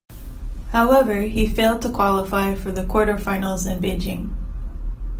However, he failed to qualify for the quarter finals in Beijing.